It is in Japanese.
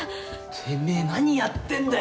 てめえ何やってんだよ！